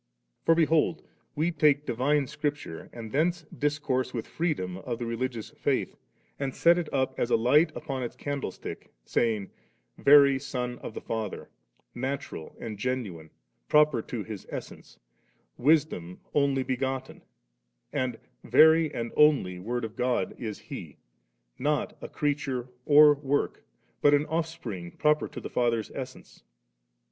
9. For, behold, we take divine Scripture, and thence discourse with freedom of die reli gious Faith, and set it up as a light upon its candlestick, saying :— Very Son of the Father, natural and genume, proper to His essence, Wisdom Only begotten, and Very and Only Word of God is He ; not a creature or work, but an offspring proper to the Father's essence.